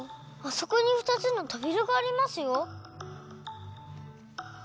あそこにふたつのとびらがありますよ！